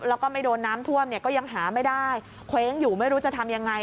แล้วก็ไม่โดนน้ำท่วมเนี่ยก็ยังหาไม่ได้เคว้งอยู่ไม่รู้จะทำยังไง